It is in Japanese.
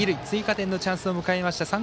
追加点のチャンスを迎えました